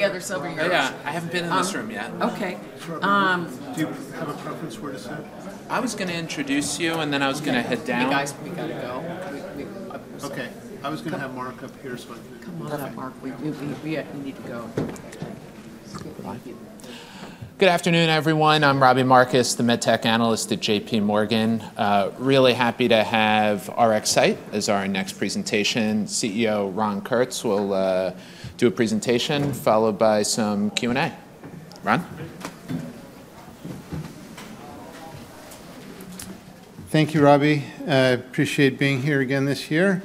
Good afternoon, everyone. I'm Robbie Marcus, the MedTech analyst at JPMorgan. Really happy to have RxSight as our next presentation. CEO Ron Kurtz will do a presentation followed by some Q&A. Ron? Thank you, Robbie. I appreciate being here again this year.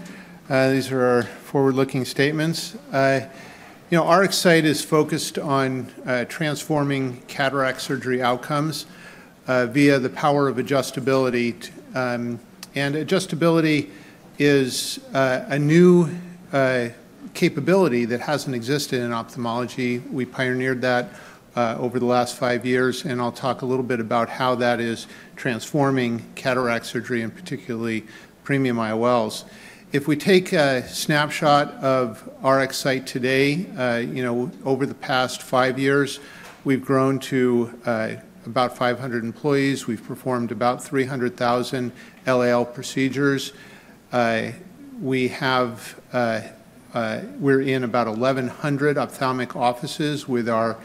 These are our forward-looking statements. RxSight is focused on transforming cataract surgery outcomes via the power of adjustability. And adjustability is a new capability that hasn't existed in ophthalmology. We pioneered that over the last five years, and I'll talk a little bit about how that is transforming cataract surgery, and particularly premium IOLs. If we take a snapshot of RxSight today, over the past five years, we've grown to about 500 employees. We've performed about 300,000 LAL procedures. We're in about 1,100 ophthalmic offices with our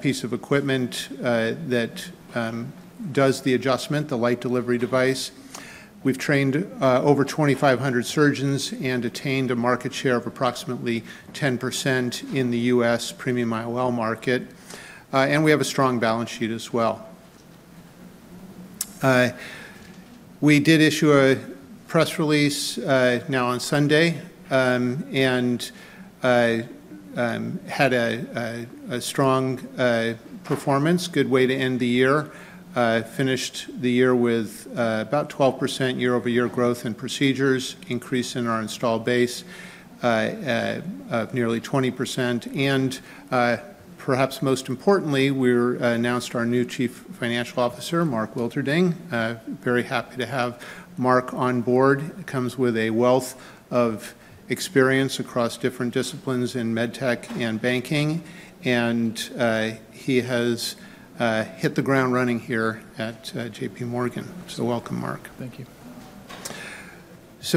piece of equipment that does the adjustment, the Light Delivery Device. We've trained over 2,500 surgeons and attained a market share of approximately 10% in the U.S. premium IOL market. And we have a strong balance sheet as well. We did issue a press release now on Sunday and had a strong performance, a good way to end the year. Finished the year with about 12% year-over-year growth in procedures, an increase in our installed base of nearly 20%. And perhaps most importantly, we announced our new Chief Financial Officer, Mark Wilterding. Very happy to have Mark on board. He comes with a wealth of experience across different disciplines in MedTech and banking. And he has hit the ground running here at JPMorgan. So welcome, Mark. Thank you.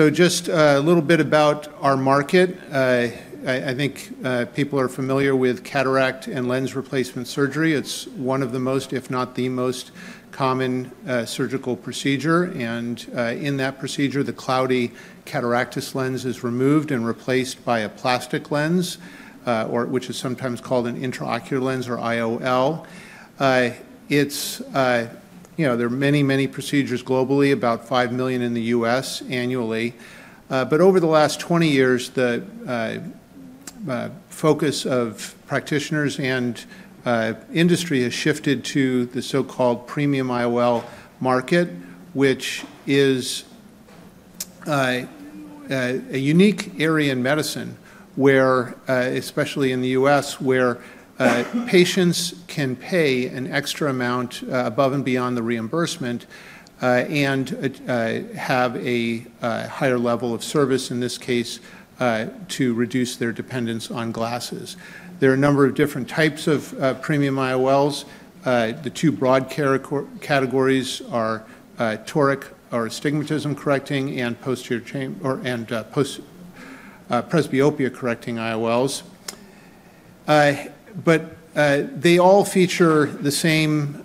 Just a little bit about our market. I think people are familiar with cataract and lens replacement surgery. It's one of the most, if not the most, common surgical procedures. In that procedure, the cloudy cataractous lens is removed and replaced by a plastic lens, which is sometimes called an intraocular lens or IOL. There are many, many procedures globally, about 5 million in the U.S. annually. Over the last 20 years, the focus of practitioners and industry has shifted to the so-called premium IOL market, which is a unique area in medicine, especially in the U.S., where patients can pay an extra amount above and beyond the reimbursement and have a higher level of service, in this case, to reduce their dependence on glasses. There are a number of different types of premium IOLs. The two broad categories are toric or astigmatism-correcting and presbyopia-correcting IOLs. But they all feature the same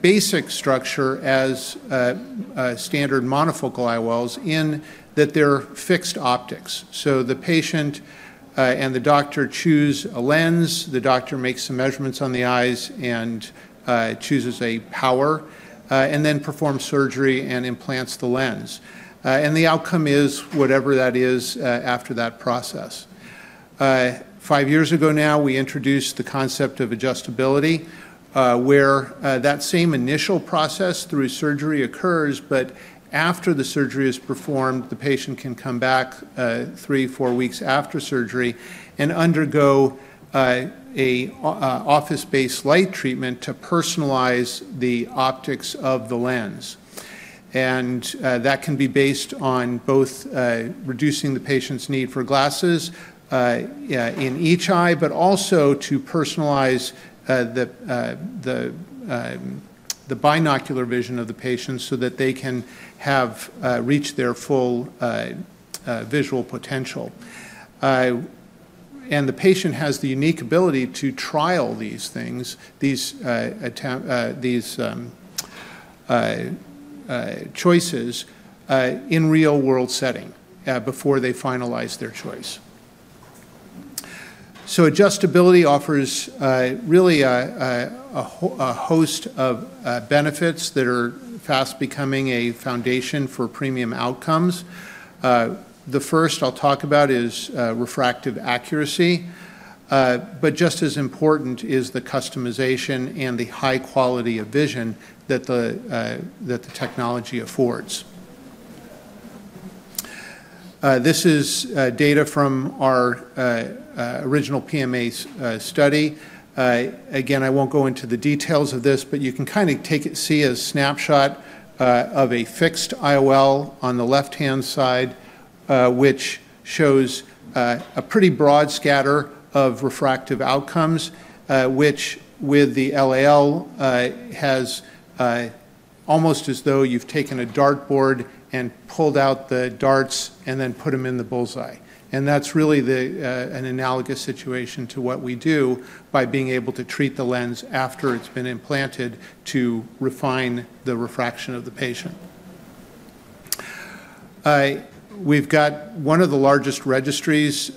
basic structure as standard monofocal IOLs in that they're fixed optics. So the patient and the doctor choose a lens. The doctor makes some measurements on the eyes and chooses a power, and then performs surgery and implants the lens. And the outcome is whatever that is after that process. Five years ago now, we introduced the concept of adjustability, where that same initial process through surgery occurs, but after the surgery is performed, the patient can come back three, four weeks after surgery and undergo an office-based light treatment to personalize the optics of the lens. And that can be based on both reducing the patient's need for glasses in each eye, but also to personalize the binocular vision of the patient so that they can reach their full visual potential. And the patient has the unique ability to trial these things, these choices, in a real-world setting before they finalize their choice. So adjustability offers really a host of benefits that are fast becoming a foundation for premium outcomes. The first I'll talk about is refractive accuracy. But just as important is the customization and the high quality of vision that the technology affords. This is data from our original PMA study. Again, I won't go into the details of this, but you can kind of see a snapshot of a fixed IOL on the left-hand side, which shows a pretty broad scatter of refractive outcomes, which, with the LAL, has almost as though you've taken a dartboard and pulled out the darts and then put them in the bullseye. That's really an analogous situation to what we do by being able to treat the lens after it's been implanted to refine the refraction of the patient. We've got one of the largest registries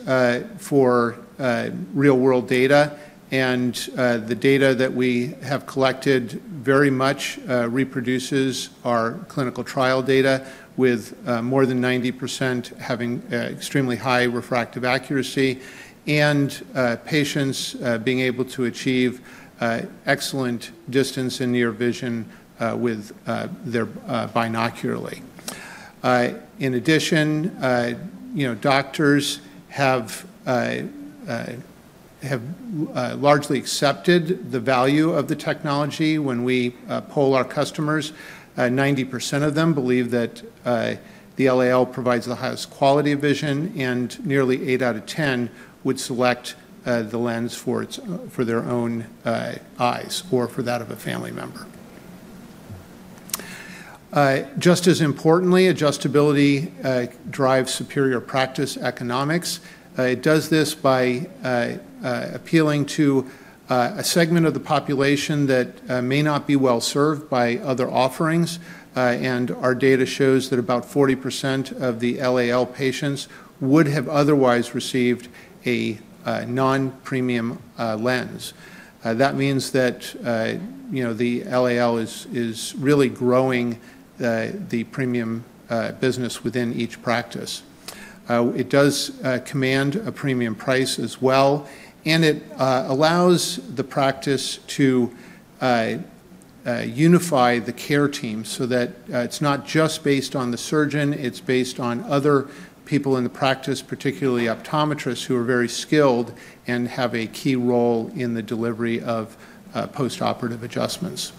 for real-world data. The data that we have collected very much reproduces our clinical trial data, with more than 90% having extremely high refractive accuracy and patients being able to achieve excellent distance and near vision with their binocularity. In addition, doctors have largely accepted the value of the technology. When we poll our customers, 90% of them believe that the LAL provides the highest quality of vision, and nearly 8 out of 10 would select the lens for their own eyes or for that of a family member. Just as importantly, adjustability drives superior practice economics. It does this by appealing to a segment of the population that may not be well served by other offerings. And our data shows that about 40% of the LAL patients would have otherwise received a non-premium lens. That means that the LAL is really growing the premium business within each practice. It does command a premium price as well. And it allows the practice to unify the care team so that it's not just based on the surgeon. It's based on other people in the practice, particularly optometrists, who are very skilled and have a key role in the delivery of post-operative adjustments.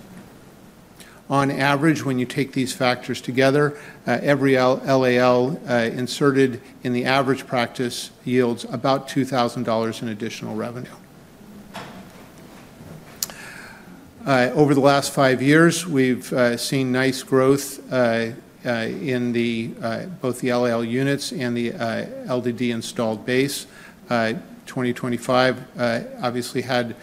On average, when you take these factors together, every LAL inserted in the average practice yields about $2,000 in additional revenue. Over the last five years, we've seen nice growth in both the LAL units and the LDD installed base. 2025 obviously had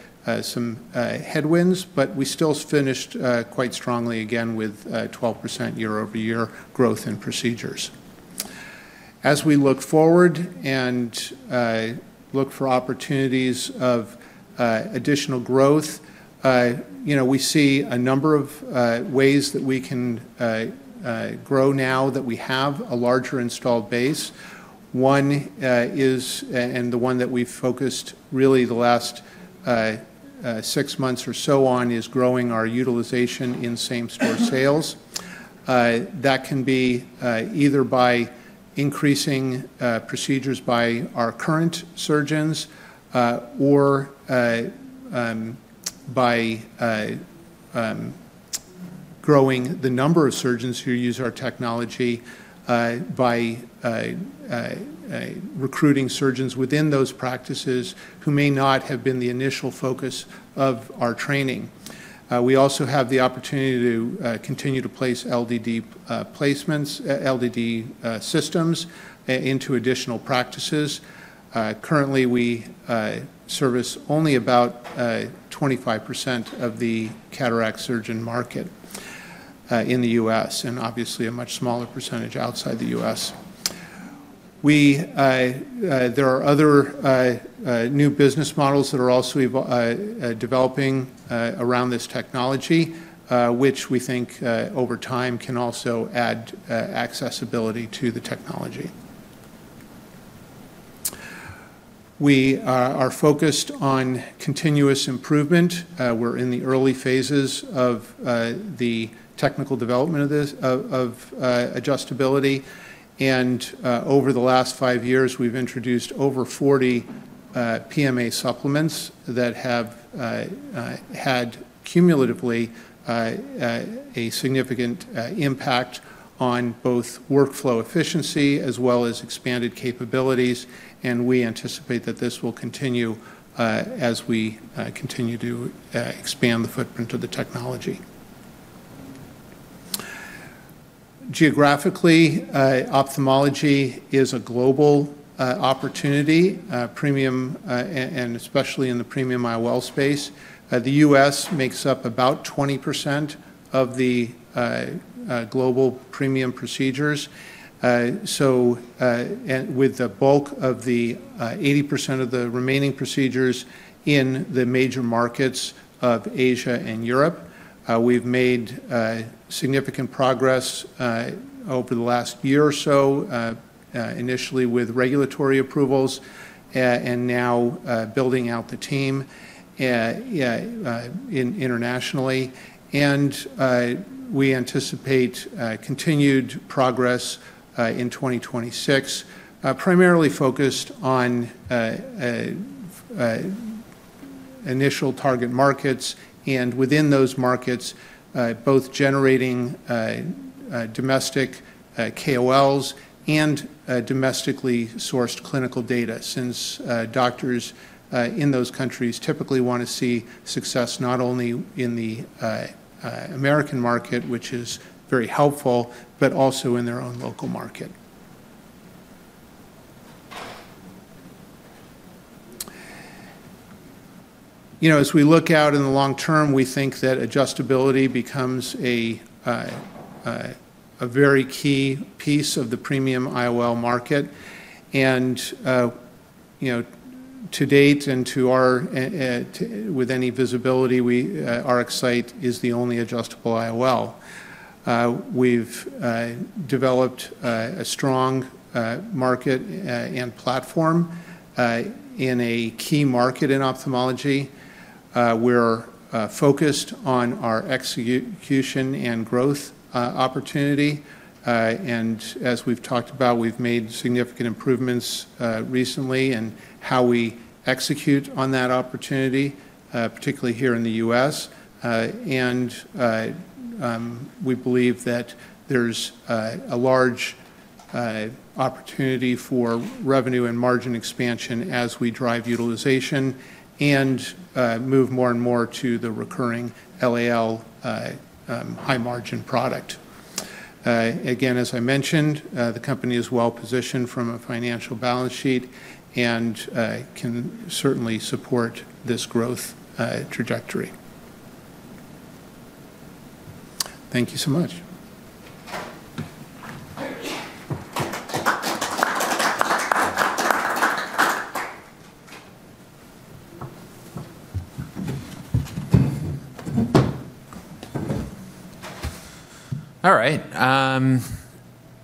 some headwinds, but we still finished quite strongly again with 12% year-over-year growth in procedures. As we look forward and look for opportunities of additional growth, we see a number of ways that we can grow now that we have a larger installed base. One is, and the one that we've focused really the last six months or so on, is growing our utilization in same-store sales. That can be either by increasing procedures by our current surgeons or by growing the number of surgeons who use our technology, by recruiting surgeons within those practices who may not have been the initial focus of our training. We also have the opportunity to continue to place LDD systems into additional practices. Currently, we service only about 25% of the cataract surgeon market in the U.S., and obviously a much smaller percentage outside the U.S. There are other new business models that are also developing around this technology, which we think over time can also add accessibility to the technology. We are focused on continuous improvement. We're in the early phases of the technical development of adjustability. And over the last five years, we've introduced over 40 PMA supplements that have had cumulatively a significant impact on both workflow efficiency as well as expanded capabilities. And we anticipate that this will continue as we continue to expand the footprint of the technology. Geographically, ophthalmology is a global opportunity, premium, and especially in the premium IOL space. The U.S. makes up about 20% of the global premium procedures. With the bulk of the 80% of the remaining procedures in the major markets of Asia and Europe, we've made significant progress over the last year or so, initially with regulatory approvals and now building out the team internationally. We anticipate continued progress in 2026, primarily focused on initial target markets and within those markets, both generating domestic KOLs and domestically sourced clinical data, since doctors in those countries typically want to see success not only in the American market, which is very helpful, but also in their own local market. As we look out in the long term, we think that adjustability becomes a very key piece of the premium IOL market. To date and with any visibility, RxSight is the only adjustable IOL. We've developed a strong market and platform in a key market in ophthalmology. We're focused on our execution and growth opportunity. And as we've talked about, we've made significant improvements recently in how we execute on that opportunity, particularly here in the U.S. And we believe that there's a large opportunity for revenue and margin expansion as we drive utilization and move more and more to the recurring LAL high-margin product. Again, as I mentioned, the company is well positioned from a financial balance sheet and can certainly support this growth trajectory. Thank you so much. All right.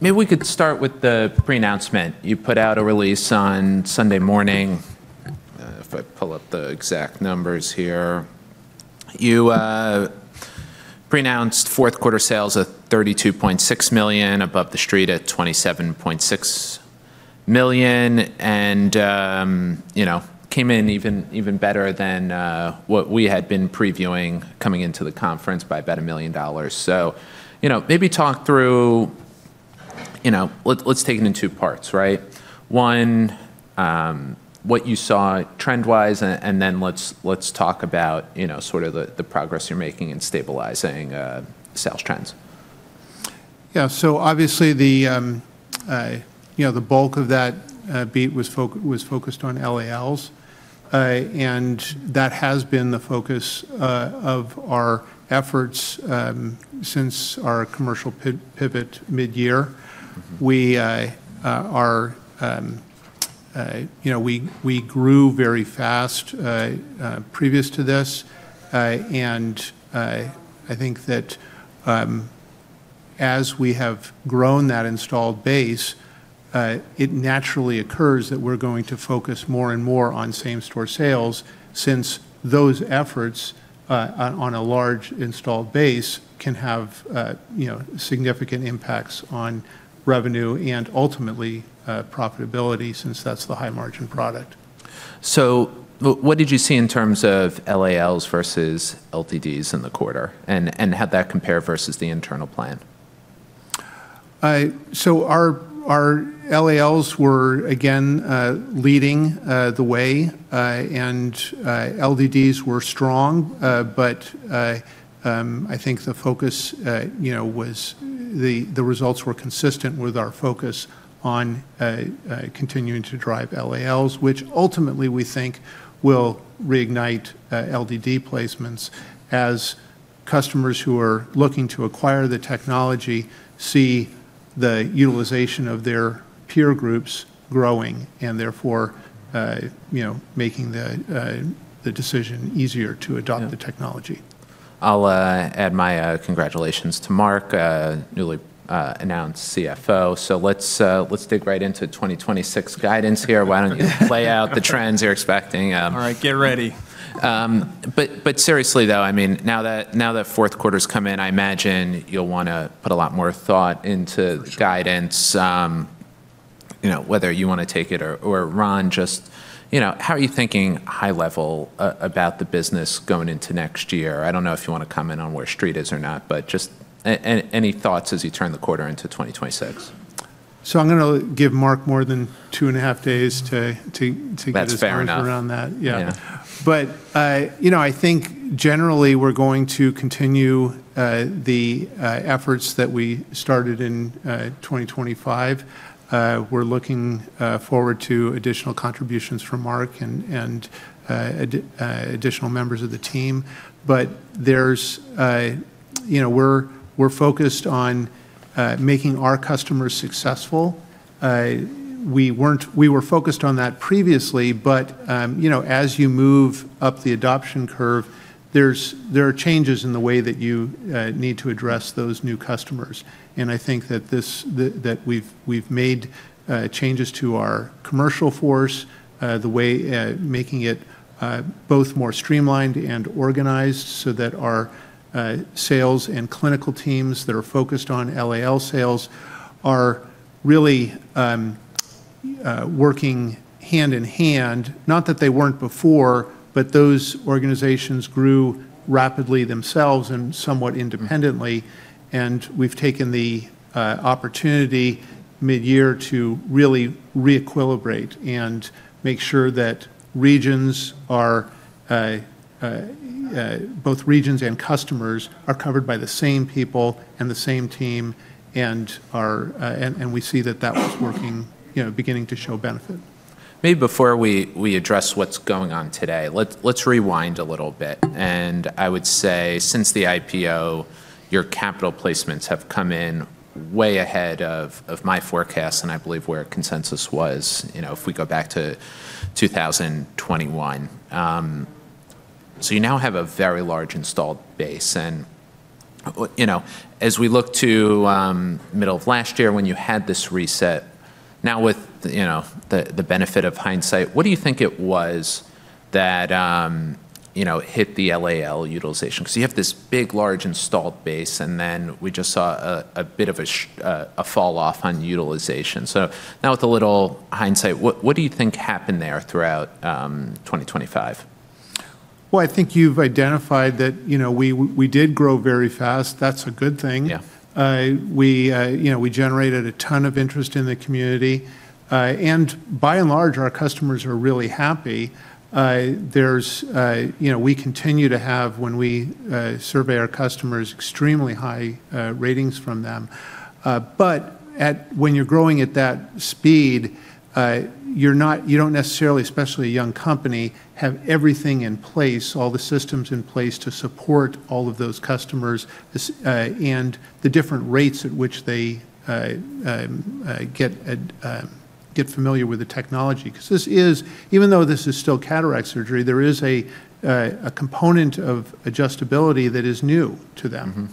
Maybe we could start with the pre-announcement. You put out a release on Sunday morning. If I pull up the exact numbers here, you pre-announced fourth-quarter sales at $32.6 million, above the Street at $27.6 million, and came in even better than what we had been previewing coming into the conference by about $1 million. So maybe talk through let's take it in two parts, right? One, what you saw trend-wise, and then let's talk about sort of the progress you're making in stabilizing sales trends. Yeah, so obviously, the bulk of that beat was focused on LALs, and that has been the focus of our efforts since our commercial pivot mid-year. We grew very fast previous to this, and I think that as we have grown that installed base, it naturally occurs that we're going to focus more and more on same-store sales since those efforts on a large installed base can have significant impacts on revenue and ultimately profitability since that's the high-margin product. So what did you see in terms of LALs versus LDDs in the quarter? And how'd that compare versus the internal plan? Our LALs were, again, leading the way, and LDDs were strong, but I think the focus was the results were consistent with our focus on continuing to drive LALs, which ultimately we think will reignite LDD placements as customers who are looking to acquire the technology see the utilization of their peer groups growing and therefore making the decision easier to adopt the technology. I'll add my congratulations to Mark, newly announced CFO. So let's dig right into 2026 guidance here. Why don't you lay out the trends you're expecting? All right. Get ready. But seriously, though, I mean, now that fourth quarter's come in, I imagine you'll want to put a lot more thought into guidance, whether you want to take it or Ron. Just how are you thinking high-level about the business going into next year? I don't know if you want to comment on where Street is or not, but just any thoughts as you turn the quarter into 2026? So I'm going to give Mark more than two and a half days to get his feet around that. That's fair. Yeah. But I think generally we're going to continue the efforts that we started in 2025. We're looking forward to additional contributions from Mark and additional members of the team. But we're focused on making our customers successful. We were focused on that previously, but as you move up the adoption curve, there are changes in the way that you need to address those new customers. And I think that we've made changes to our commercial force, making it both more streamlined and organized so that our sales and clinical teams that are focused on LAL sales are really working hand in hand. Not that they weren't before, but those organizations grew rapidly themselves and somewhat independently. And we've taken the opportunity mid-year to really re-equilibrate and make sure that both regions and customers are covered by the same people and the same team. We see that that was working, beginning to show benefit. Maybe before we address what's going on today, let's rewind a little bit. And I would say since the IPO, your capital placements have come in way ahead of my forecast, and I believe where consensus was if we go back to 2021. So you now have a very large installed base. And as we look to middle of last year when you had this reset, now with the benefit of hindsight, what do you think it was that hit the LAL utilization? Because you have this big, large installed base, and then we just saw a bit of a falloff on utilization. So now with a little hindsight, what do you think happened there throughout 2025? I think you've identified that we did grow very fast. That's a good thing. We generated a ton of interest in the community, and by and large, our customers are really happy. We continue to have, when we survey our customers, extremely high ratings from them, but when you're growing at that speed, you don't necessarily, especially a young company, have everything in place, all the systems in place to support all of those customers and the different rates at which they get familiar with the technology. Because even though this is still cataract surgery, there is a component of adjustability that is new to them,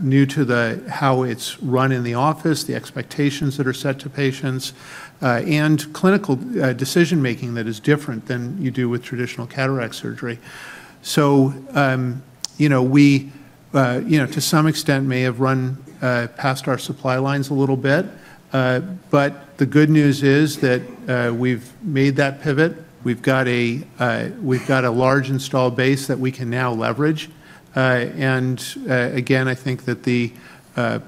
new to how it's run in the office, the expectations that are set to patients, and clinical decision-making that is different than you do with traditional cataract surgery, so we, to some extent, may have run past our supply lines a little bit. But the good news is that we've made that pivot. We've got a large installed base that we can now leverage. And again, I think that the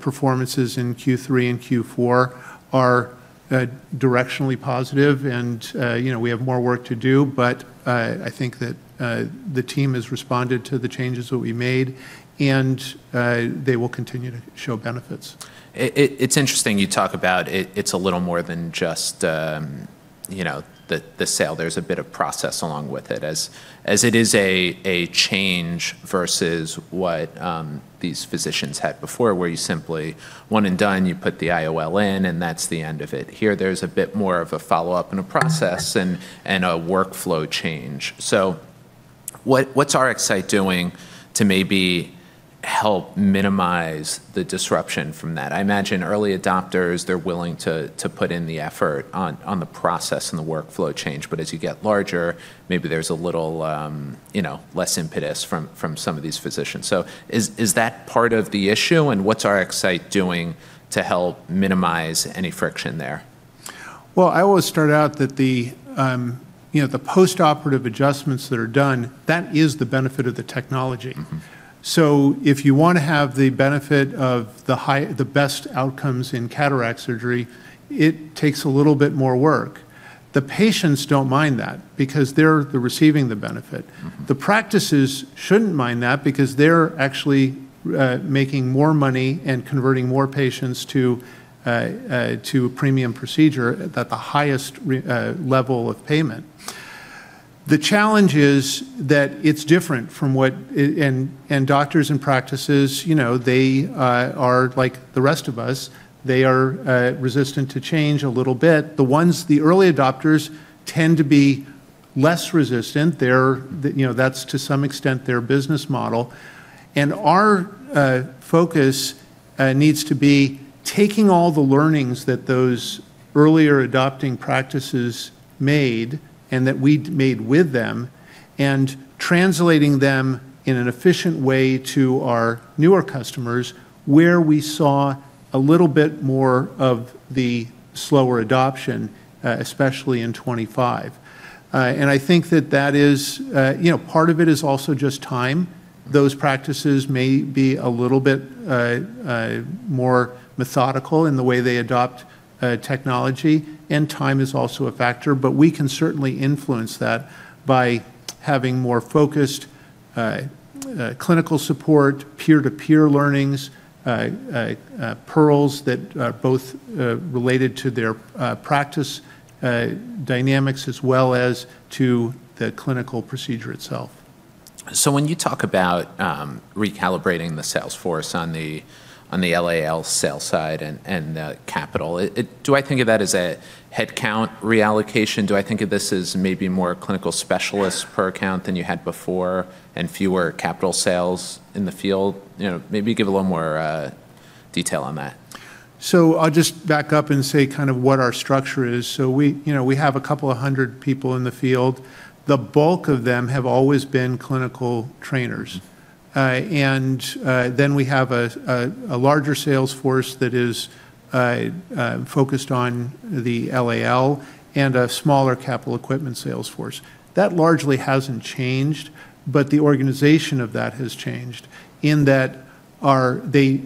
performances in Q3 and Q4 are directionally positive, and we have more work to do. But I think that the team has responded to the changes that we made, and they will continue to show benefits. It's interesting you talk about it's a little more than just the sale. There's a bit of process along with it, as it is a change versus what these physicians had before, where you simply one and done, you put the IOL in, and that's the end of it. Here, there's a bit more of a follow-up and a process and a workflow change, so what's RxSight doing to maybe help minimize the disruption from that? I imagine early adopters, they're willing to put in the effort on the process and the workflow change, but as you get larger, maybe there's a little less impetus from some of these physicians, so is that part of the issue, and what's RxSight doing to help minimize any friction there? I always start out that the post-operative adjustments that are done, that is the benefit of the technology. If you want to have the benefit of the best outcomes in cataract surgery, it takes a little bit more work. The patients don't mind that because they're receiving the benefit. The practices shouldn't mind that because they're actually making more money and converting more patients to a premium procedure at the highest level of payment. The challenge is that it's different from what, and doctors and practices, they are like the rest of us. They are resistant to change a little bit. The early adopters tend to be less resistant. That's to some extent their business model. Our focus needs to be taking all the learnings that those earlier adopting practices made and that we made with them and translating them in an efficient way to our newer customers where we saw a little bit more of the slower adoption, especially in 2025. And I think that is part of it is also just time. Those practices may be a little bit more methodical in the way they adopt technology. And time is also a factor. But we can certainly influence that by having more focused clinical support, peer-to-peer learnings, pearls that are both related to their practice dynamics as well as to the clinical procedure itself. So when you talk about recalibrating the sales force on the LAL sale side and the capital, do I think of that as a headcount reallocation? Do I think of this as maybe more clinical specialists per account than you had before and fewer capital sales in the field? Maybe give a little more detail on that. So I'll just back up and say kind of what our structure is. So we have a couple of hundred people in the field. The bulk of them have always been clinical trainers. And then we have a larger sales force that is focused on the LAL and a smaller capital equipment sales force. That largely hasn't changed, but the organization of that has changed in that the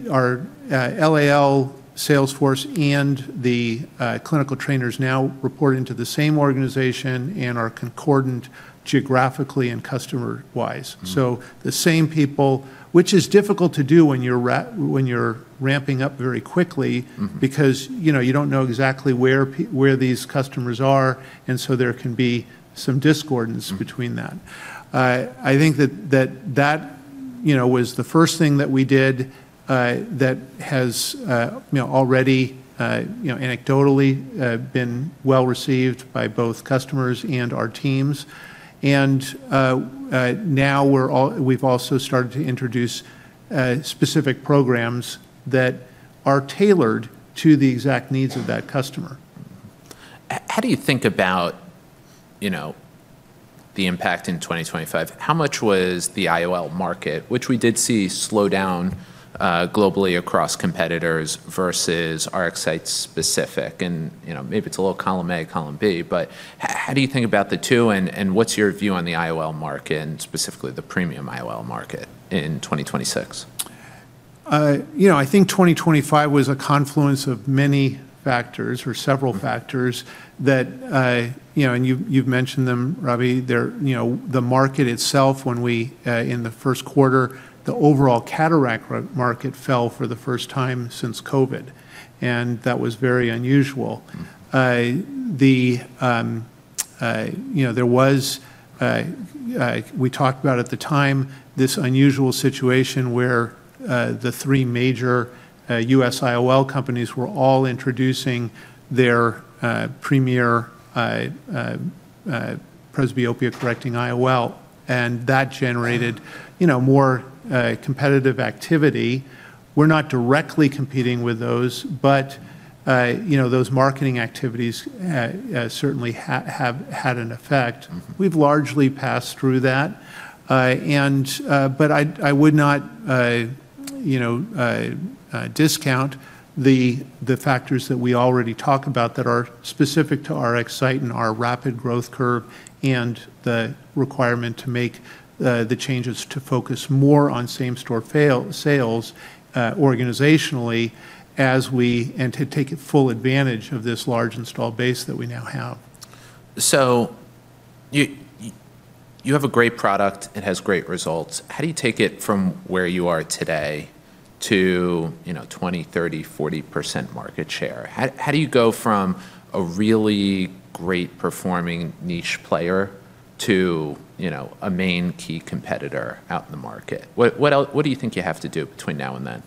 LAL sales force and the clinical trainers now report into the same organization and are concordant geographically and customer-wise. So the same people, which is difficult to do when you're ramping up very quickly because you don't know exactly where these customers are. And so there can be some discordance between that. I think that that was the first thing that we did that has already, anecdotally, been well received by both customers and our teams. Now we've also started to introduce specific programs that are tailored to the exact needs of that customer. How do you think about the impact in 2025? How much was the IOL market, which we did see slow down globally across competitors versus RxSight specific? And maybe it's a little column A, column B. But how do you think about the two? And what's your view on the IOL market, specifically the premium IOL market in 2026? I think 2025 was a confluence of many factors or several factors that, and you've mentioned them, Robbie, the market itself, when, in the first quarter, the overall cataract market fell for the first time since COVID, and that was very unusual. There was, we talked about at the time, this unusual situation where the three major U.S. IOL companies were all introducing their premium presbyopia-correcting IOL. And that generated more competitive activity. We're not directly competing with those, but those marketing activities certainly have had an effect. We've largely passed through that, but I would not discount the factors that we already talk about that are specific to RxSight and our rapid growth curve and the requirement to make the changes to focus more on same-store sales organizationally and to take full advantage of this large installed base that we now have. So you have a great product. It has great results. How do you take it from where you are today to 20%, 30%, 40% market share? How do you go from a really great performing niche player to a main key competitor out in the market? What do you think you have to do between now and then?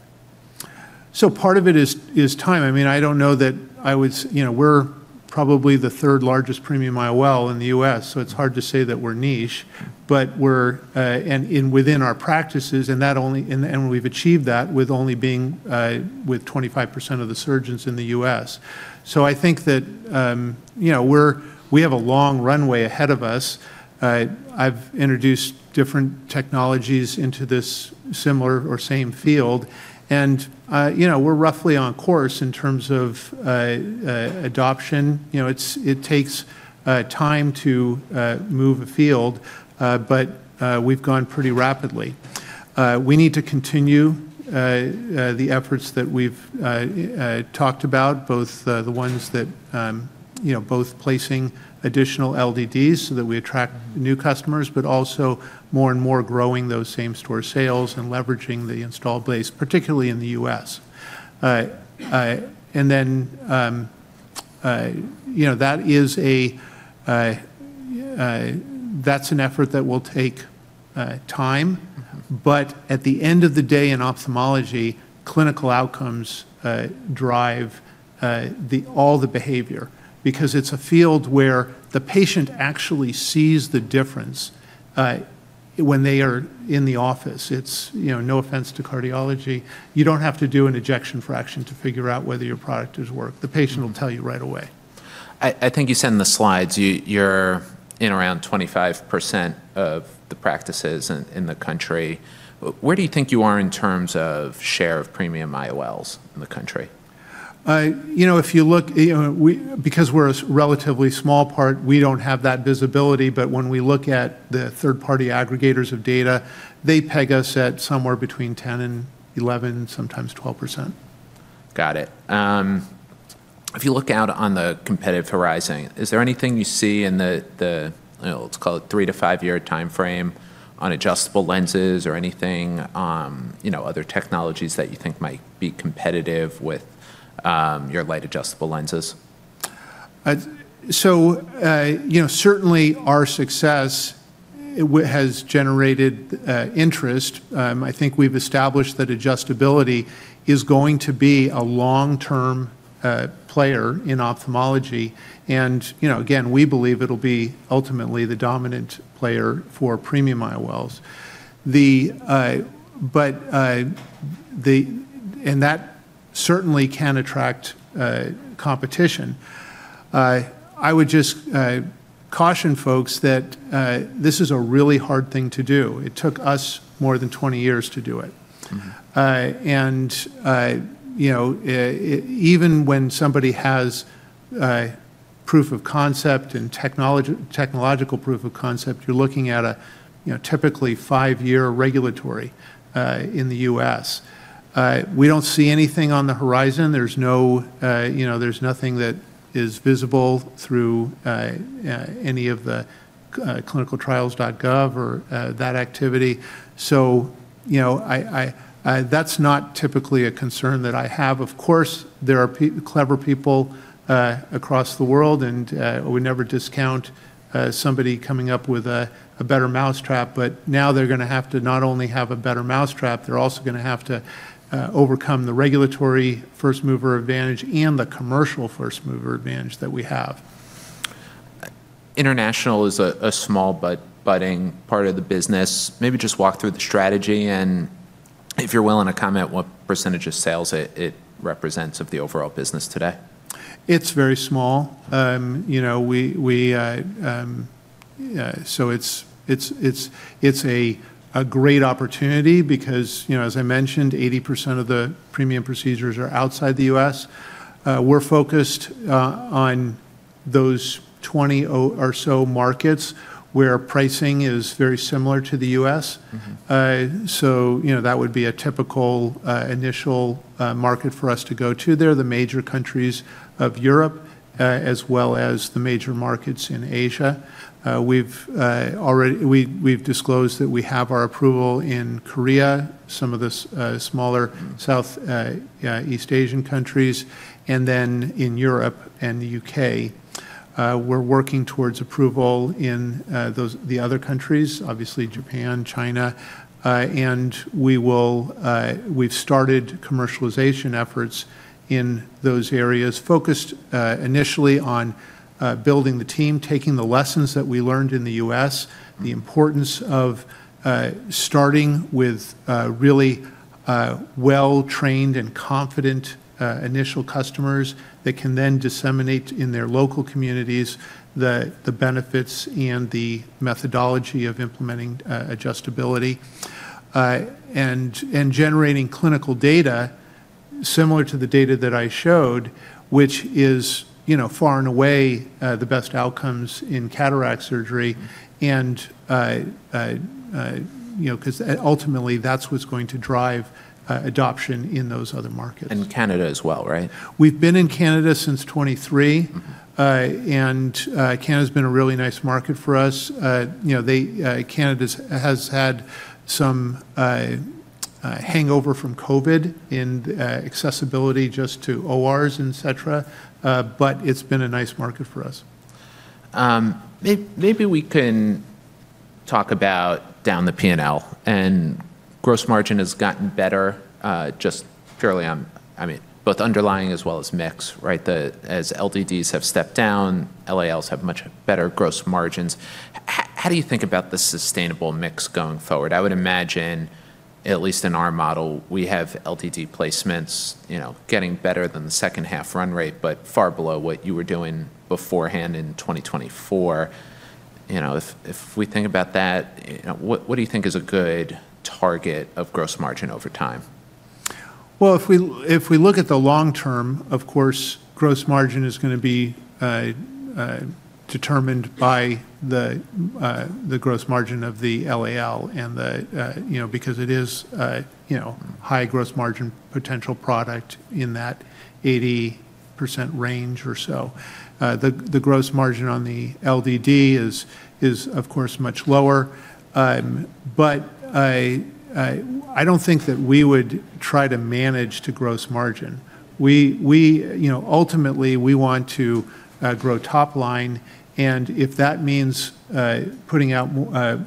So part of it is time. I mean, I don't know that I would. We're probably the third largest premium IOL in the U.S., so it's hard to say that we're niche. And within our practices, we've achieved that with only being with 25% of the surgeons in the U.S. I think that we have a long runway ahead of us. I've introduced different technologies into this similar or same field. We're roughly on course in terms of adoption. It takes time to move a field, but we've gone pretty rapidly. We need to continue the efforts that we've talked about, both placing additional LDDs so that we attract new customers, but also more and more growing those same-store sales and leveraging the installed base, particularly in the U.S. And then that is an effort that will take time. But at the end of the day, in ophthalmology, clinical outcomes drive all the behavior because it's a field where the patient actually sees the difference when they are in the office. It's no offense to cardiology. You don't have to do an ejection fraction to figure out whether your product has worked. The patient will tell you right away. I think you said in the slides you're in around 25% of the practices in the country. Where do you think you are in terms of share of premium IOLs in the country? If you look, because we're a relatively small part, we don't have that visibility. But when we look at the third-party aggregators of data, they peg us at somewhere between 10% and 11%, sometimes 12%. Got it. If you look out on the competitive horizon, is there anything you see in the, let's call it, three to five-year timeframe on adjustable lenses or anything, other technologies that you think might be competitive with your Light Adjustable Lenses? So certainly our success has generated interest. I think we've established that adjustability is going to be a long-term player in ophthalmology. And again, we believe it'll be ultimately the dominant player for premium IOLs. And that certainly can attract competition. I would just caution folks that this is a really hard thing to do. It took us more than 20 years to do it. And even when somebody has proof of concept and technological proof of concept, you're looking at a typically five-year regulatory in the U.S. We don't see anything on the horizon. There's nothing that is visible through any of the ClinicalTrials.gov or that activity. So that's not typically a concern that I have. Of course, there are clever people across the world, and we never discount somebody coming up with a better mousetrap. But now they're going to have to not only have a better mousetrap, they're also going to have to overcome the regulatory first-mover advantage and the commercial first-mover advantage that we have. International is a small budding part of the business. Maybe just walk through the strategy and if you're willing to comment what percentage of sales it represents of the overall business today? It's very small. So it's a great opportunity because, as I mentioned, 80% of the premium procedures are outside the U.S. We're focused on those 20 or so markets where pricing is very similar to the U.S. So that would be a typical initial market for us to go to. They're the major countries of Europe as well as the major markets in Asia. We've disclosed that we have our approval in Korea, some of the smaller Southeast Asian countries, and then in Europe and the U.K. We're working towards approval in the other countries, obviously Japan, China. We've started commercialization efforts in those areas focused initially on building the team, taking the lessons that we learned in the U.S., the importance of starting with really well-trained and confident initial customers that can then disseminate in their local communities the benefits and the methodology of implementing adjustability and generating clinical data similar to the data that I showed, which is far and away the best outcomes in cataract surgery. Because ultimately that's what's going to drive adoption in those other markets. Canada as well, right? We've been in Canada since 2023. And Canada has been a really nice market for us. Canada has had some hangover from COVID in accessibility just to ORs, etc. But it's been a nice market for us. Maybe we can talk about down the P&L, and gross margin has gotten better just fairly, I mean, both underlying as well as mix, right? As LDDs have stepped down, LALs have much better gross margins. How do you think about the sustainable mix going forward? I would imagine at least in our model, we have LDD placements getting better than the second-half run rate, but far below what you were doing beforehand in 2024. If we think about that, what do you think is a good target of gross margin over time? If we look at the long term, of course, gross margin is going to be determined by the gross margin of the LAL because it is a high gross margin potential product in that 80% range or so. The gross margin on the LDD is, of course, much lower. But I don't think that we would try to manage to gross margin. Ultimately, we want to grow top line. And if that means putting out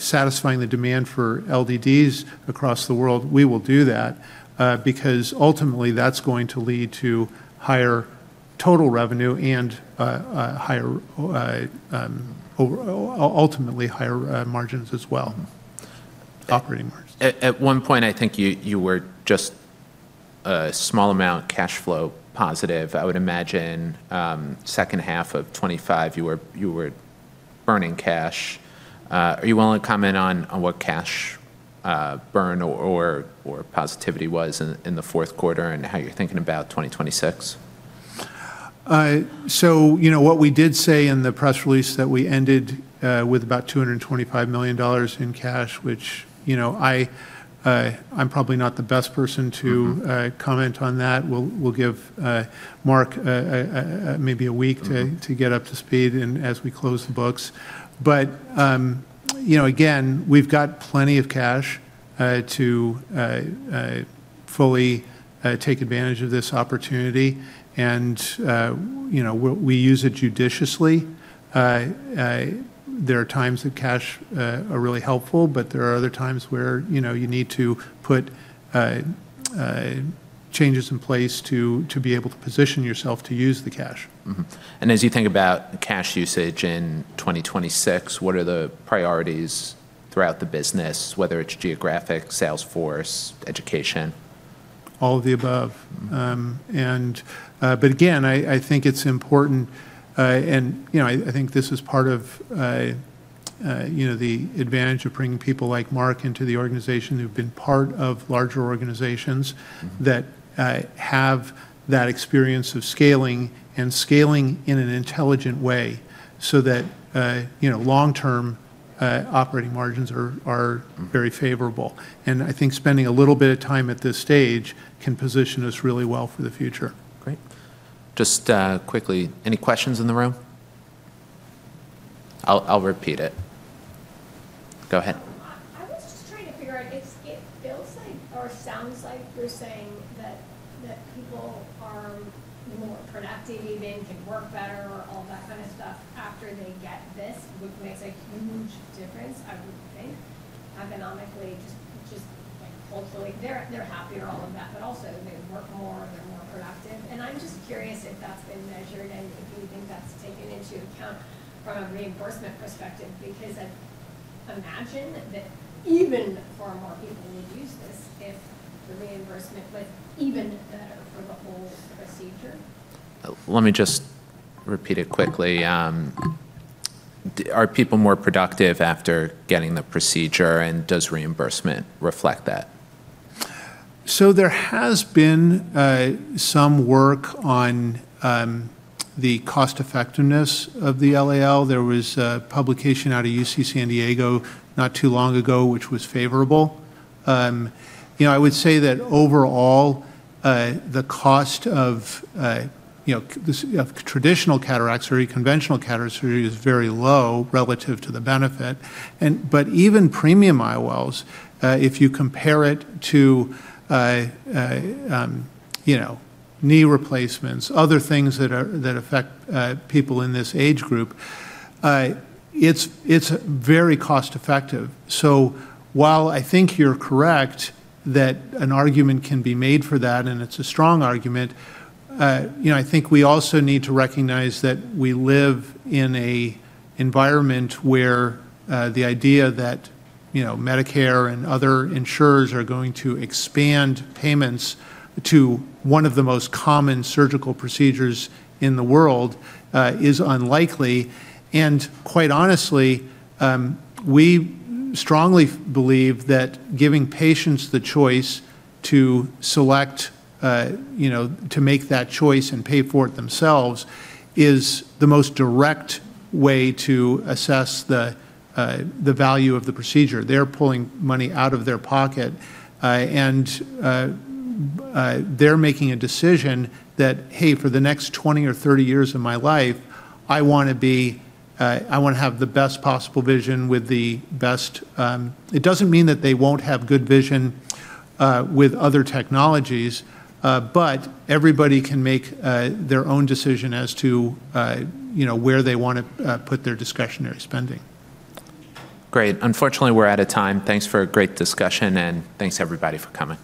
satisfying the demand for LDDs across the world, we will do that because ultimately that's going to lead to higher total revenue and ultimately higher margins as well, operating margins. At one point, I think you were just a small amount cash flow positive. I would imagine second half of 2025, you were burning cash. Are you willing to comment on what cash burn or positivity was in the fourth quarter and how you're thinking about 2026? So, what we did say in the press release that we ended with about $225 million in cash, which I'm probably not the best person to comment on that. We'll give Mark maybe a week to get up to speed as we close the books. But again, we've got plenty of cash to fully take advantage of this opportunity. And we use it judiciously. There are times that cash are really helpful, but there are other times where you need to put changes in place to be able to position yourself to use the cash. As you think about cash usage in 2026, what are the priorities throughout the business, whether it's geographic, sales force, education? All of the above, but again, I think it's important, and I think this is part of the advantage of bringing people like Mark into the organization who've been part of larger organizations that have that experience of scaling and scaling in an intelligent way so that long-term operating margins are very favorable, and I think spending a little bit of time at this stage can position us really well for the future. Great. Just quickly, any questions in the room? I'll repeat it. Go ahead. I was just trying to figure out if it feels like or sounds like you're saying that people are more productive, they can work better, all that kind of stuff after they get this, which makes a huge difference, I would think, economically, just culturally. They're happy or all of that, but also they work more, they're more productive, and I'm just curious if that's been measured and if you think that's taken into account from a reimbursement perspective because I imagine that even more people would use this if the reimbursement went even better for the whole procedure. Let me just repeat it quickly. Are people more productive after getting the procedure, and does reimbursement reflect that? So there has been some work on the cost-effectiveness of the LAL. There was a publication out of UC San Diego not too long ago, which was favorable. I would say that overall, the cost of traditional cataracts or conventional cataract surgery is very low relative to the benefit. But even premium IOLs, if you compare it to knee replacements, other things that affect people in this age group, it's very cost-effective. So while I think you're correct that an argument can be made for that, and it's a strong argument, I think we also need to recognize that we live in an environment where the idea that Medicare and other insurers are going to expand payments to one of the most common surgical procedures in the world is unlikely. And quite honestly, we strongly believe that giving patients the choice to make that choice and pay for it themselves is the most direct way to assess the value of the procedure. They're pulling money out of their pocket, and they're making a decision that, "Hey, for the next 20 or 30 years of my life, I want to have the best possible vision with the best." It doesn't mean that they won't have good vision with other technologies, but everybody can make their own decision as to where they want to put their discretionary spending. Great. Unfortunately, we're out of time. Thanks for a great discussion, and thanks everybody for coming.